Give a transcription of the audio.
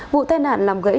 vụ tai nạn làm gãy trụ đèn